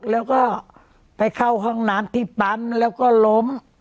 แล้วก็ไปเข้าห้องน้ำที่ปั๊มแล้วก็ล้ม